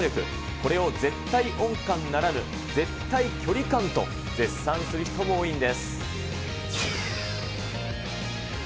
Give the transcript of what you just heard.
これを絶対音感ならぬ、絶対距離感と絶賛する人も多いんです。